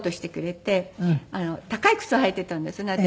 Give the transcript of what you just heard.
高い靴を履いていたんですね私。